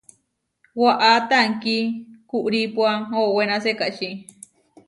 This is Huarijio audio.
Waʼá tankí kuʼrípua owená sekačí.